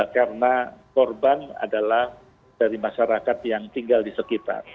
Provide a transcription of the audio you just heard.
karena korban adalah dari masyarakat yang tinggal di sekitar